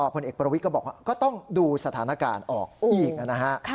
ผลเอกประวิทย์ก็บอกว่าก็ต้องดูสถานการณ์ออกอีกนะฮะ